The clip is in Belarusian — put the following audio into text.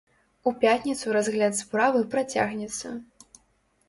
У пятніцу разгляд справы працягнецца.